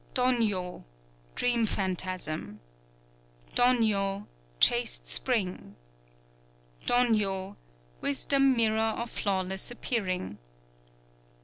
_ Dōnyo, Dream Phantasm. Dōnyo, Chaste Spring. _Dōnyo, Wisdom Mirror of Flawless Appearing.